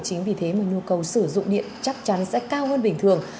chính vì thế mà nhu cầu sử dụng điện chắc chắn sẽ cao hơn bình thường